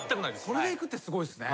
それでいくってすごいですね。